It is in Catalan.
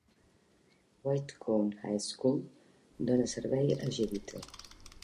White Cone High School dóna servei a Jeddito.